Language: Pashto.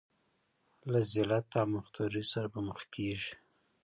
له ذلت او مختورۍ سره به مخ کېږي.